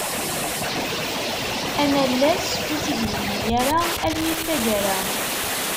Anallas ur tt-id-yenni ara almi d tagara.